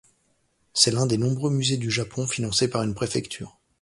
C'est l'un des nombreux musées du Japon financés par une préfecture.